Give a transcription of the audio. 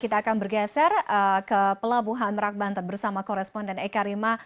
kita akan bergeser ke pelabuhan merak banten bersama koresponden eka rima